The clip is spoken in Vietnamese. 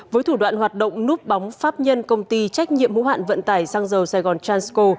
với thủ đoạn hoạt động núp bóng pháp nhân công ty trách nhiệm hữu hạn vận tải sang dầu sài gòn transco